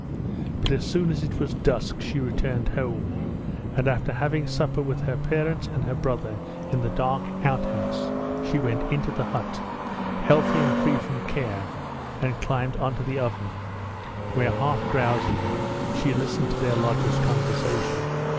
But as soon as it was dusk she returned home, and after having supper with her parents and her brother in the dark outhouse, she went into the hut, healthy and free from care, and climbed onto the oven, where half drowsing she listened to their lodger's conversation.